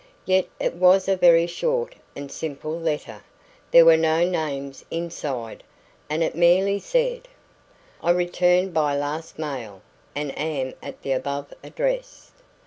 Yet is was a very short and simple letter. There were no names inside, and it merely said: "I returned by last mail, and am at the above address.